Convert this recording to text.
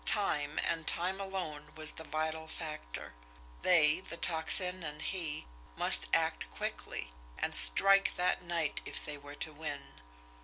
Time, and time alone, was the vital factor. They, the Tocsin and he, must act quickly and STRIKE that night if they were to win.